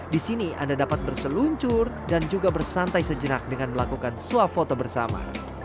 di sini anda dapat berseluncur dan juga bersantai sejenak dengan melakukan swafoto bersama